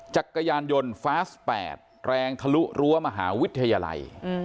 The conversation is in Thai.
จักรยานยนต์ฟาส๘แรงทะลุรั้วมหาวิทยาลัย